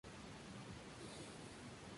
Habita en la isla de Formosa y en Laos.